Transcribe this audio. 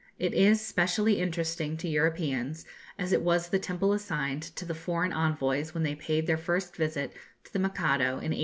It is specially interesting to Europeans, as it was the temple assigned to the foreign envoys when they paid their first visit to the Mikado in 1868.